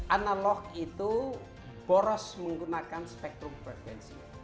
analog itu boros menggunakan spektrum frekuensi